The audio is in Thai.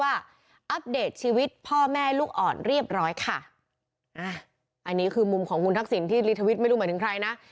อัปเดตชีวิตพ่อแม่ลูกอ่อนเรียบร้อยค่ะอ่าอันนี้คือมุมของคุณทักษิณที่ลิทวิทย์ไม่รู้หมายถึงใครนะ